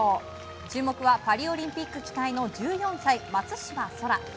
注目はパリオリンピック期待の１４歳、松島輝空。